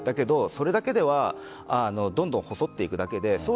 それだけではどんどん細っていくだけでそう